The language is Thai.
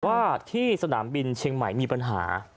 ว่าที่สนามบินเชียงใหม่มีปัญหา